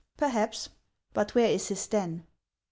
" Perhaps ; but where is his den?